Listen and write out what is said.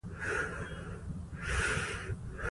پکار ده چې مونږه يو بل واورو